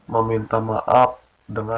meminta maaf dengan